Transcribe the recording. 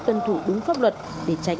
cân thủ đúng pháp luật để tránh